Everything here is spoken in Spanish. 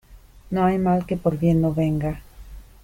No hay mal que por bien no venga.